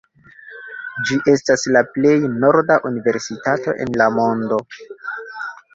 Ĝi estas la plej norda universitato en la mondo.